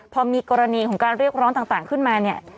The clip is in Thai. พอมีกรณีของการเรียกร้องต่างขึ้นมาเนี่ย